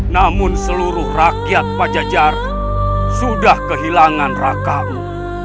namun seluruh rakyat pajajar sudah kehilangan raka mu